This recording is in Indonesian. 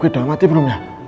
gue udah mati belum ya